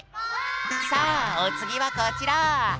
さあおつぎはこちら。